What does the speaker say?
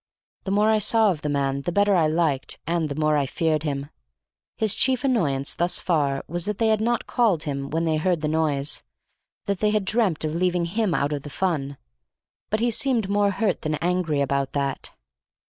The more I saw of the man the better I liked and the more I feared him. His chief annoyance thus far was that they had not called him when they heard the noise, that they had dreamt of leaving him out of the fun. But he seemed more hurt than angry about that.